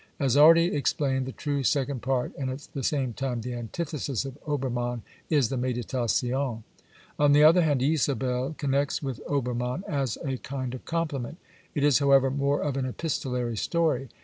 As already explained, the true second part, and at the same time the antithesis of Obermann, is the Meditations. On the other hand, Isabelle connects with Obermann as a kind of complement. It is, however, more of an epistolary story.